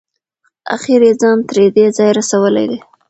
اخیر یې ځان تر دې ځایه رسولی دی.